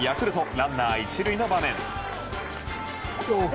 ランナー１塁の場面。